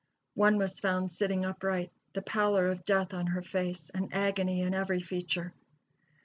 One was found sitting upright, the pallor of death on her face, and agony in every feature.